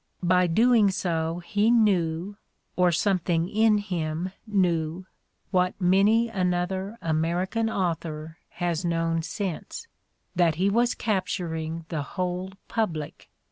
By doing so he knew, or something in him knew, what many another American author has known since, that he was capturing the whole public.